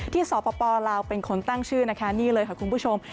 ที่สอบปลาวเป็นคนตั้งชื่อนี่เลยค่ะคุณผู้ชม